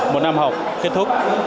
một năm học kết thúc